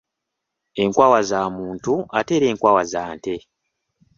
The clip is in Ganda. Enkwawa za muntu ate era enkwakwa za nte.